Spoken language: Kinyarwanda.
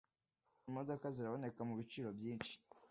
Imodoka ziraboneka mubiciro byinshi.